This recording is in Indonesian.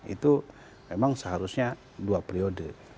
itu memang seharusnya dua periode